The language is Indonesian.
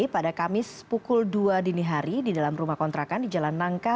pada kamis pukul dua dini hari di dalam rumah kontrakan di jalan nangka